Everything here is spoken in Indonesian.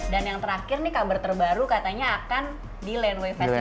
dan yang terakhir nih kabar terbaru katanya akan di lendway festival di singapura